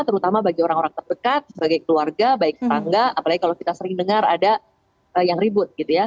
terutama bagi orang orang terdekat sebagai keluarga baik tangga apalagi kalau kita sering dengar ada yang ribut gitu ya